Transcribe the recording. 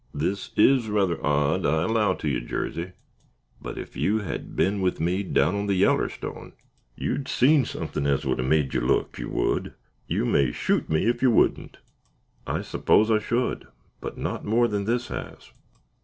"This is rather odd, I allow, to you, Jarsey; but ef you had been with me down on the Yallerstone, you'd seen suthin' as would've made you look, you would. You may shoot me, ef you wouldn't." "I suppose I should, but not more than this has."